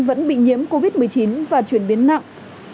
vẫn bị nhiễm covid một mươi chín và chuyển biến nặng